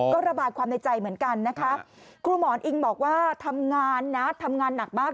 ก็ระบายความในใจเหมือนกันนะคะครูหมอนอิงบอกว่าทำงานนะทำงานหนักมาก